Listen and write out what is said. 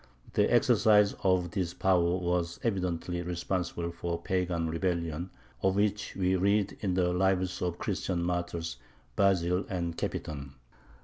The exercise of this power was evidently responsible for the pagan rebellion of which we read in the lives of the Christian martyrs Basil and Capiton.